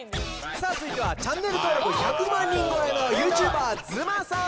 さあ続いてはチャンネル登録１００万人超えのＹｏｕＴｕｂｅｒずまさん